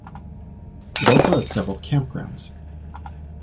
It also has several campgrounds.